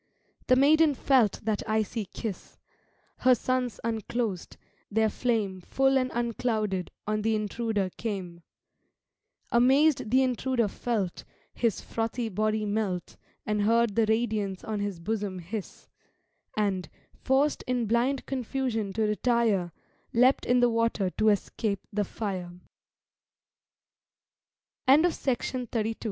The maiden felt that icy kiss: Her suns unclosed, their flame Full and unclouded on th' intruder came. Amazed th' intruder felt His frothy body melt And heard the radiance on his bosom hiss; And, forced in blind confusion to retire, _Leapt in the water to